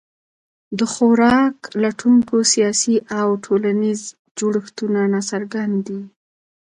د خوراک لټونکو سیاسي او ټولنیز جوړښتونه ناڅرګند دي.